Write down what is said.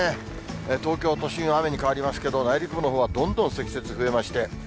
東京都心は雨に変わりますけど、内陸部のほうはどんどん積雪増えまして。